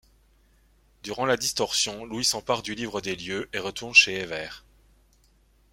Durant la distorsion, Louis s'empare du Livre des Lieux et retourne chez Eyver.